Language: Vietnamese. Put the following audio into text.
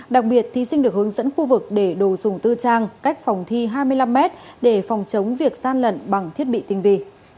đặc biệt thí sinh được hướng dẫn khu vực để đồ dùng tư trang cách phòng thi hai mươi năm m để phòng chống việc gian lận bằng thiết bị tinh vị